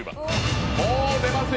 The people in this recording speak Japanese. もう出ますよ。